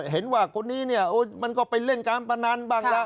เห็นว่าคนนี้มันก็ไปเล่นการประนันบ้างล่ะ